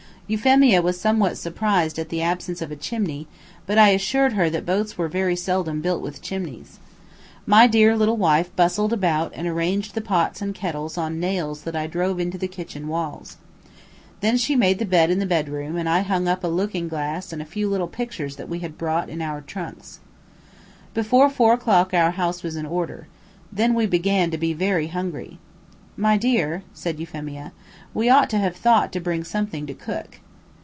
Euphemia was somewhat surprised at the absence of a chimney, but I assured her that boats were very seldom built with chimneys. My dear little wife bustled about and arranged the pots and kettles on nails that I drove into the kitchen walls. Then she made the bed in the bed room and I hung up a looking glass and a few little pictures that we had brought in our trunks. Before four o'clock our house was in order. Then we began to be very hungry. "My dear," said Euphemia, "we ought to have thought to bring something to cook."